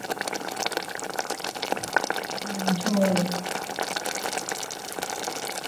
A modern children's playground is also available.